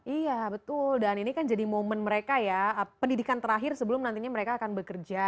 iya betul dan ini kan jadi momen mereka ya pendidikan terakhir sebelum nantinya mereka akan bekerja